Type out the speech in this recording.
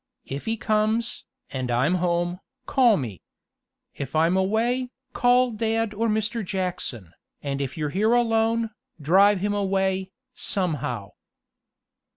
If he comes, and I'm home, call me. If I'm away, call dad or Mr. Jackson, and if you're here alone, drive him away, somehow."